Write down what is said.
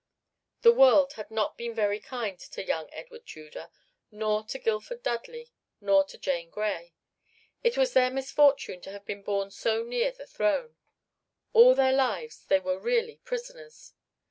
The world had not been very kind to young Edward Tudor nor to Guildford Dudley nor to Jane Grey. It was their misfortune to have been born so near the throne. All their lives they were really prisoners.